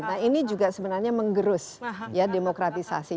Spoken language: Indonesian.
nah ini juga sebenarnya menggerus ya demokratisasi